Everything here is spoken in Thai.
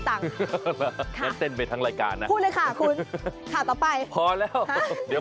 ตังค์น่ะจะเต็นไปทั้งรายการนะคุณค่ะต่อไปพอแล้วเดี๋ยว